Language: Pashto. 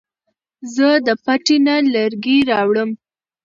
زه د پټي نه لرګي راوړم